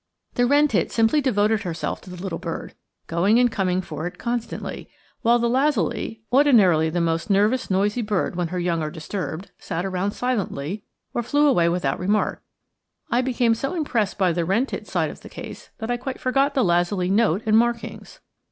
The wren tit simply devoted herself to the little bird, going and coming for it constantly; while the lazuli, ordinarily the most nervous noisy bird when her young are disturbed, sat around silently, or flew away without remark. I became so impressed by the wren tit side of the case that I quite forgot the lazuli note and markings.